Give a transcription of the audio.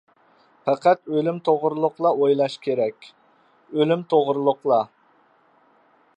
پەقەت ئۆلۈم توغرۇلۇقلا ئويلاش كېرەك، ئۆلۈم توغرۇلۇقلا.